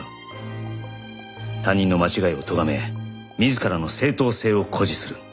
他人の間違いをとがめ自らの正当性を誇示する。